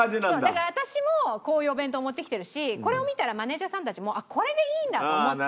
だから私もこういうお弁当を持ってきてるしこれを見たらマネジャーさんたちもこれでいいんだと思って。